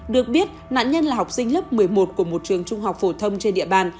được biết nạn nhân là học sinh lớp một mươi một của một trường trung học phổ thông trên địa bàn